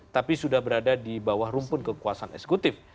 tapi sudah berada di bawah rumpun kekuasaan eksekutif